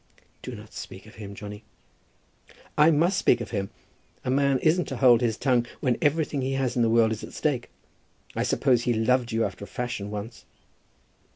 "Do not speak of him, Johnny." "I must speak of him. A man isn't to hold his tongue when everything he has in the world is at stake. I suppose he loved you after a fashion, once."